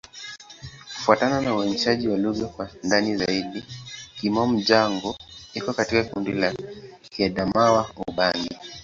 Kufuatana na uainishaji wa lugha kwa ndani zaidi, Kimom-Jango iko katika kundi la Kiadamawa-Ubangi.